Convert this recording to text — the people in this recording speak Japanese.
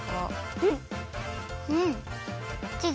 うん。